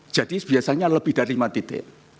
jadi biasanya lebih dari lima titik